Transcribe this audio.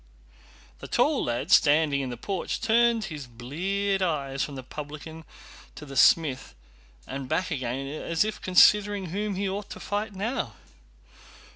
The tall lad, standing in the porch, turned his bleared eyes from the publican to the smith and back again as if considering whom he ought to fight now.